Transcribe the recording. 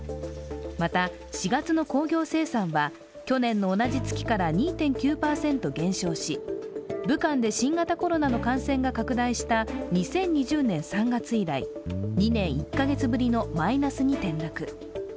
また４月の工業生産は去年の同じ月から２．９％減少し、武漢で新型コロナの感染が拡大した２０２０年３月以来２年１カ月ぶりのマイナスに転落。